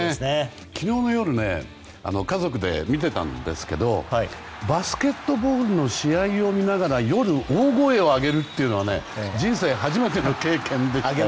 昨日の夜家族で見てたんですけどバスケットボールの試合を見ながら夜、大声を上げるっていうのは人生初めての経験で。